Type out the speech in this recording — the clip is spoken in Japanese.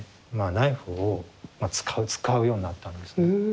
ナイフを使うようになったんです。